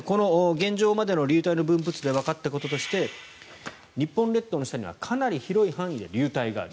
現状までの流体の分布図でわかったこととして日本列島の下にはかなり広い範囲で流体がある。